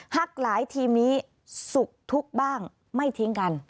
หากหลายทีมนี้สุขทุกข์บ้างไม่ทิ้งกัน